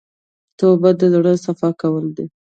توبه د زړه صفا کول دي.